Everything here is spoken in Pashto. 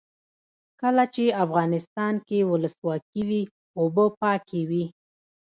کله چې افغانستان کې ولسواکي وي اوبه پاکې وي.